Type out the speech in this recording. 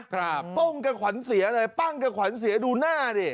ครับปุ้งกับขวัญเสียเลยปั้งกับขวัญเสียดูหน้าดิ